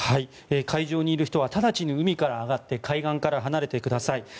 海上にいる人は直ちに海から上がって海岸から離れてください。